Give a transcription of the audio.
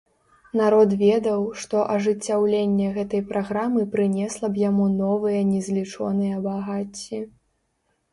Народ ведаў, што ажыццяўленне гэтай праграмы прынесла б яму новыя незлічоныя багацці.